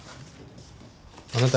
あなた